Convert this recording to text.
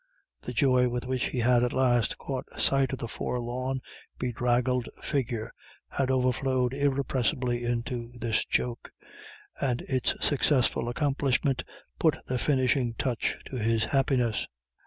The joy with which he had at last caught sight of the forlorn, bedraggled figure had overflowed irrepressibly into this joke, and its successful accomplishment put the finishing touch to his happiness.